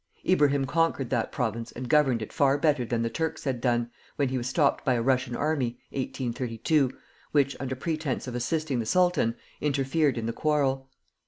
Ibrahim conquered that province and governed it far better than the Turks had done, when he was stopped by a Russian army (1832), which, under pretence of assisting the sultan, interfered in the quarrel.